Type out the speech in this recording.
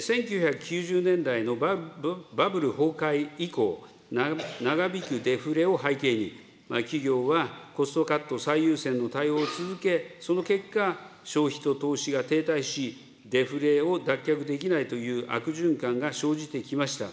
１９９０年代のバブル崩壊以降、長引くデフレを背景に、企業はコストカット最優先の対応を続け、その結果、消費と投資が停滞し、デフレを脱却できないという悪循環が生じてきました。